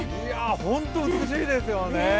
本当に美しいですよね。